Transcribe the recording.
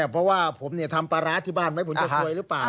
เพราะว่าผมทำปลาร้าที่บ้านไว้ผมจะซวยหรือเปล่า